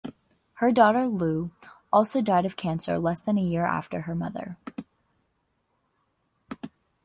Her daughter, Lou, also died of cancer less than a year after her mother.